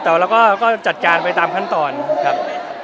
แต่ว่าเราก็จัดการไปตามขั้นตอนครับ